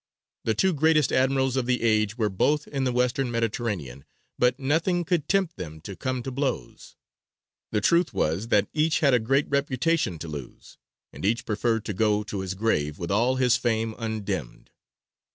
The two greatest admirals of the age were both in the Western Mediterranean, but nothing could tempt them to come to blows. The truth was that each had a great reputation to lose, and each preferred to go to his grave with all his fame undimmed.